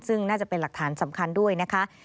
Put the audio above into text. ซึ่งน่าจะเป็นหลักฐานสำคัญด้วยนะคะ